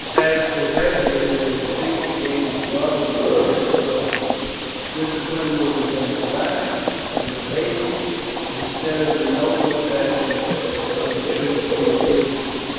As propraetors they will seek to gain the love and vote of their soldiers; discipline will become relaxed, and the basest instead of the noblest passions of the troops be appealed to.